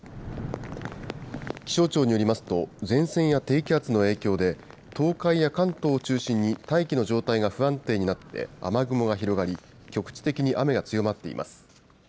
気象庁によりますと、前線や低気圧の影響で、東海や関東を中心に、大気の状態が不安定になって、雨雲が広がり、局地的に雨が強まっています。